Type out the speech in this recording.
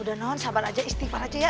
udah non sabar aja istiqah aja ya